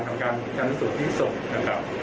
ของการทำทรวจที่สุดนะครับ